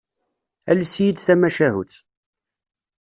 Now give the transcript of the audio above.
Ales-iyi-d tamacahut.